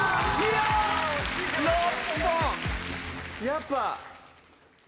やっぱ。